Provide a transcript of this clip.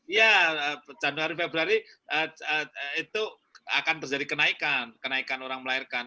ya januari februari itu akan terjadi kenaikan kenaikan orang melahirkan